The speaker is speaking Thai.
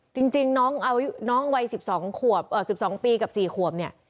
จริงจริงน้องเอาน้องวัยสิบสองขวบเอ่อสิบสองปีกับสี่ขวบเนี่ย